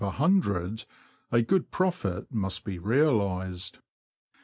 per loo, a good profit must be realised.